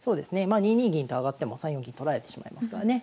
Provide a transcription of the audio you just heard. まあ２二銀と上がっても３四銀取られてしまいますからね